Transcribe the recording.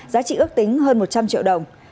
giá trị ước tính hơn một trăm linh triệu đồng